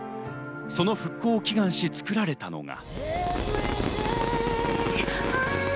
その復興を祈願し作られたのが。